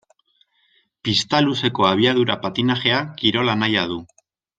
Pista luzeko abiadura-patinajea kirol anaia du.